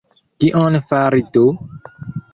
Kion fari do?